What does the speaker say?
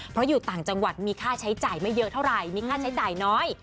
เพราะอยู่ต่างจังหวัดมีค่าใช้จ่ายไม่เยอะเท่าไหร่มีค่าใช้จ่ายน้อย